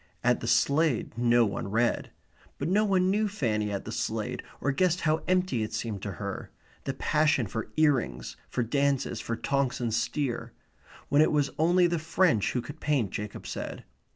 At the Slade no one read. But no one knew Fanny at the Slade, or guessed how empty it seemed to her; the passion for ear rings, for dances, for Tonks and Steer when it was only the French who could paint, Jacob said.